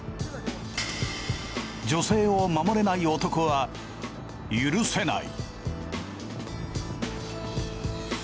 女性を守れない男は許せない。